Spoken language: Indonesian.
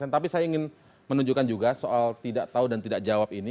tapi saya ingin menunjukkan juga soal tidak tahu dan tidak jawab ini